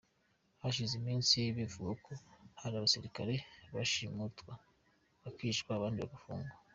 Hashize iminsi bivugwa ko hari abasirikare bashimutwa bakicwa abandi bagafungwa.